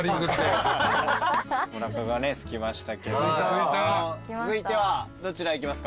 おなかがねすきましたけど続いてはどちらへ行きますか？